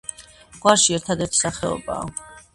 გვარში ერთადერთი სახეობაა.